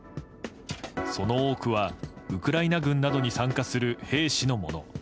その多くはウクライナ軍などに参加する兵士のもの。